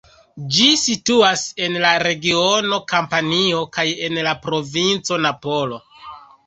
Ĝi situas en la regiono Kampanio kaj en la provinco Napolo.